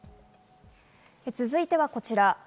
続いてはこちら。